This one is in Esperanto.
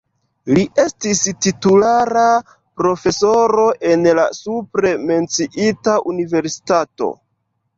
Li estis titulara profesoro en la supre menciita universitato.